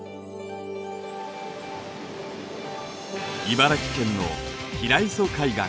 茨城県の平磯海岸。